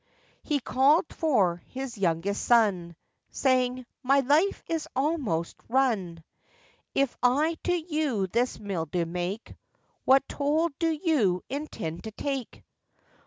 He called for his youngest son, Saying, 'My life is almost run; If I to you this mill do make, What toll do you intend to take?